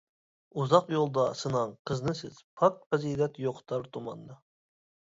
ئۇزاق يولدا سىناڭ قىزنى سىز، پاك پەزىلەت يوقىتار تۇماننى.